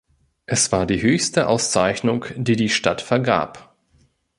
Es war die höchste Auszeichnung, die die Stadt vergab.